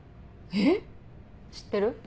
えっ⁉知ってる？